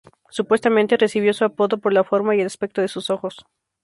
Supuestamente recibió su apodo por la forma y el aspecto de sus ojos.